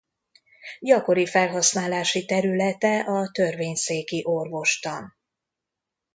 Gyakori felhasználási területe a törvényszéki orvostan.